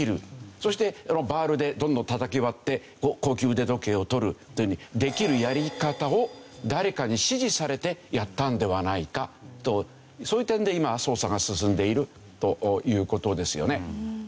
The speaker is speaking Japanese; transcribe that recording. そしてバールでどんどん叩き割って高級腕時計を取るというようにできるやり方を誰かに指示されてやったんではないかとそういう点で今捜査が進んでいるという事ですよね。